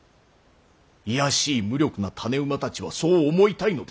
卑しい無力な種馬たちはそう思いたいのです。